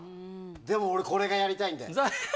でも、俺これがやりたいんだよ。